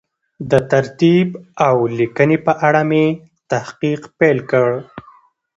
د ترتیب او لیکنې په اړه مې تحقیق پیل کړ.